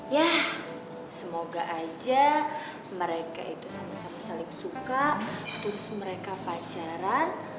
ya semoga aja mereka itu sama sama saling suka terus mereka pacaran